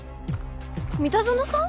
三田園さん？